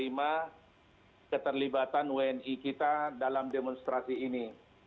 kami tidak menerima keterlibatan wni kita dalam demonstrasi ini